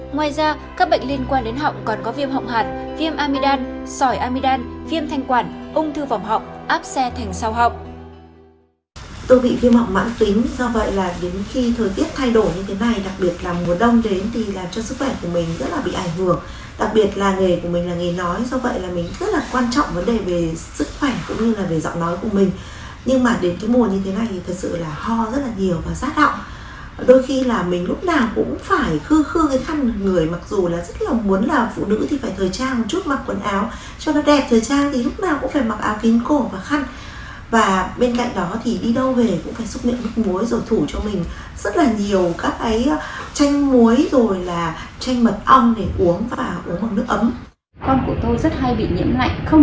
ngoài ra các bệnh liên quan đến họng còn có viêm họng hạt viêm amidam sỏi amidam viêm thanh quản ung thư vòng họng áp xe thành sau họng